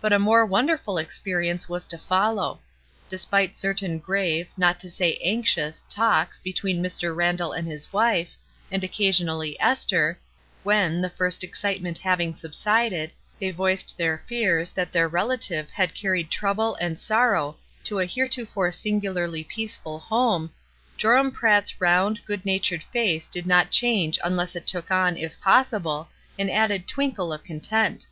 But a more wonderful experience was to fol low. Despite certain grave, not to say anx ious, talks between Mr. Randall and his wife, and occasionally Esther, when, the first excite ment having subsided, they voiced their fears that their relative had carried trouble and sorrow to a heretofore singularly peaceful home, Joram Pratt's round, good natured face did not change unless it took on, if possible, an added twinkle of content.